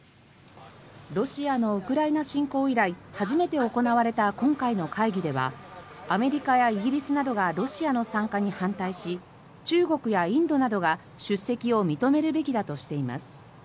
ロシアのウクライナ侵攻以来初めて行われた今回の会議ではアメリカやイギリスなどがロシアの参加に反対し中国やインドなどが、出席を認めるべきだとしています。